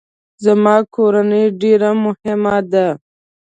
زما کورنۍ ډیره مهمه ده